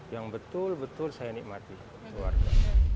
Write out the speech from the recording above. yang betul betul saya nikmati keluarga